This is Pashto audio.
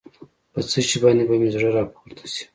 په څه شي باندې به مې زړه راپورته شي.